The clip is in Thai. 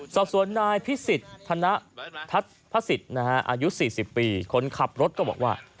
สอบสวนนายพิสิทธนทัศน์พระศิษย์อายุ๔๐ปีคนขับรถก็บอกว่า